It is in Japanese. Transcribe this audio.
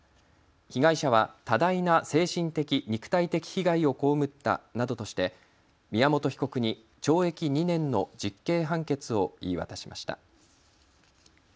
被害者は多大な精神的、肉体的被害を被ったなどとして宮本被告に懲役２年の実刑判決を言い渡しました。